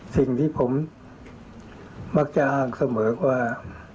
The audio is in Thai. สิ่งที่ผมมักจะอ้างเสมอว่า